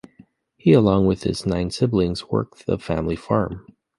He along with his nine siblings worked the family farm.